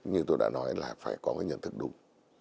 như tôi đã nói là phải có cái nhận thức đúng